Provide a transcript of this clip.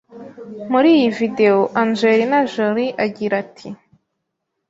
Muri iyi videwo Angelina Jolie agira ati: